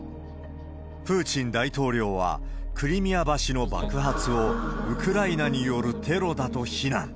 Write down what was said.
プーチン大統領は、クリミア橋の爆発をウクライナによるテロだと非難。